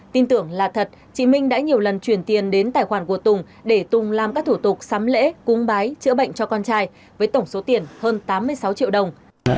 tin tưởng là thật chị minh đã nhiều lần chuyển tiền đến tài khoản của tùng để tùng làm các thủ tục sắm lễ cúng bái chữa bệnh cho con trai với tổng số tiền hơn tám mươi sáu triệu đồng